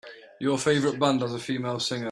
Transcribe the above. Your favorite band has a female singer.